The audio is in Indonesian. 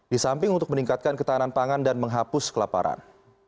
di samping untuk meningkatkan ketahanan pangan dan menghapus kelaparan